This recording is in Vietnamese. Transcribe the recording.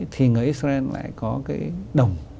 thì người israel lại có cái đồng